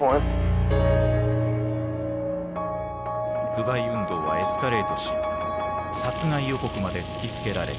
不買運動はエスカレートし殺害予告まで突きつけられた。